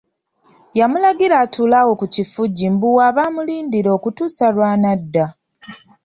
Yamulagira atuule awo ku kifugi mbu w'aba amulindira okutuusa lw'anadda.